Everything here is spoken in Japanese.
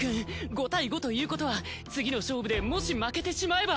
５対５ということは次の勝負でもし負けてしまえば。